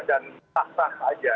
dan tak sah saja